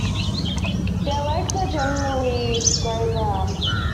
Their legs are generally grey-brown.